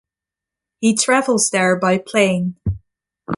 He travels there by plane.